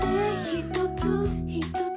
「ひとつひとつ」